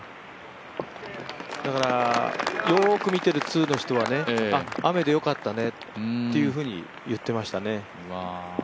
だからよく見てる通の人は雨で良かったねっていうふうに言ってましたね。